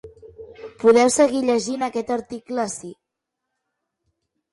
Podeu seguir llegint aquest article ací.